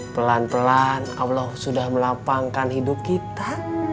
pelan pelan allah sudah melapangkan hidup kita